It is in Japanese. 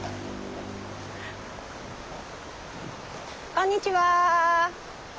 こんにちは。